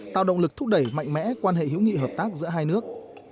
tạo động lực thúc đẩy mạnh mẽ quan hệ hữu nghị hợp tác giữa hai nước